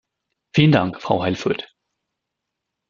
Vielen Dank, Frau Aelvoet.